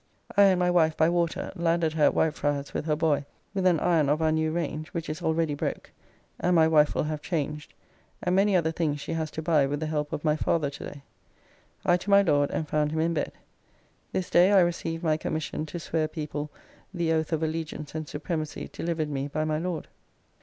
I and my wife by water, landed her at Whitefriars with her boy with an iron of our new range which is already broke and my wife will have changed, and many other things she has to buy with the help of my father to day. I to my Lord and found him in bed. This day I received my commission to swear people the oath of allegiance and supremacy delivered me by my Lord.